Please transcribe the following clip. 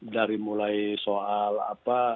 dari mulai soal apa